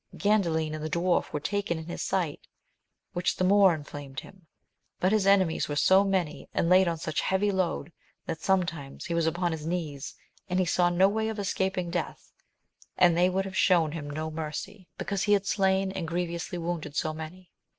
Gandalin and the dwarf were taken in his sight, which the more inflamed him ; but his enemies were so many, and laid on such heavy load, that sometimes he was upon his knees, and he saw no way of escaping death, and they would shew him no mercy, because lie liad. ^\a.m ^tA ^^^^^^^ 136 AMADIS OF GAUL. wounded so many.